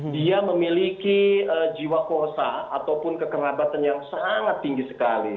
dia memiliki jiwa kosa ataupun kekerabatan yang sangat tinggi sekali